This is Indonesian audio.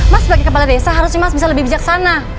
mas sebagai kepala desa harusnya mas bisa lebih bijaksana